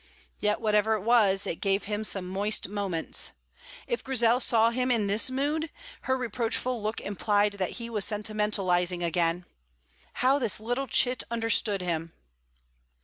Yet, whatever it was, it gave him some moist moments. If Grizel saw him in this mood, her reproachful look implied that he was sentimentalizing again. How little this chit understood him!